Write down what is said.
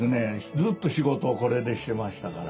ずっと仕事をこれでしてましたから。